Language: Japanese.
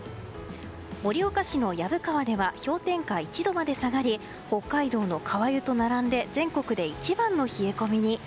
盛岡市の薮川では氷点下１度まで下がり北海道の川湯と並んで全国で一番の冷え込みに。